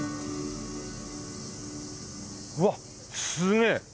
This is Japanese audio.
うわっすげえ！